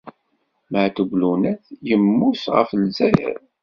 Matoub Lounes yemmut ɣef Lezzayer.